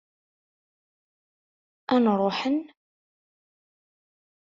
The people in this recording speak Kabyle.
Ad n-ruḥen?